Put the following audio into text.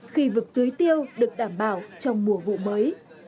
khi vực tưới tiêu được đảm bảo trong mùa vụ mới